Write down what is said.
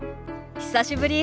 久しぶり。